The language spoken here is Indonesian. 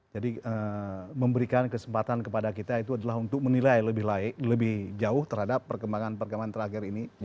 jadi memberikan kesempatan kepada kita itu adalah untuk menilai lebih jauh terhadap perkembangan perkembangan terakhir ini